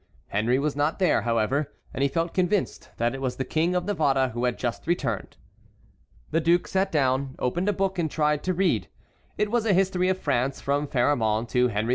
Henry was not there, however, and he felt convinced that it was the King of Navarre who had just returned. The duke sat down, opened a book, and tried to read. It was a history of France from Pharamond to Henry II.